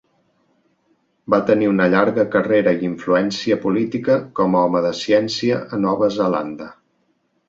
Va tenir una llarga carrera i influència política com home de ciència a Nova Zelanda.